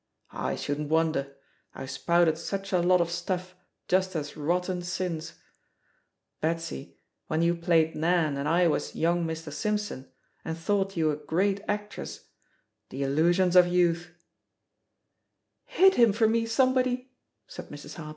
"I shouldn't wonder — IVe spouted such a lot of stuff just as rotten since. Betsy, when you played *Nan' and I was *Young Mr. Simpson,' and thought you a great actress — ^the illusions of youth " "Hit him for me, somebody I'* said Mrs. Har P«.